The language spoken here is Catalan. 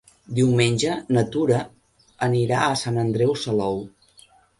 Diumenge na Tura anirà a Sant Andreu Salou.